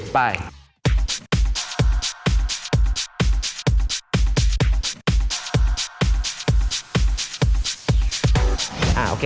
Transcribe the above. ๗ไป